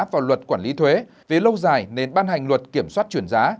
vào luật quản lý thuế vì lâu dài nên ban hành luật kiểm soát chuyển giá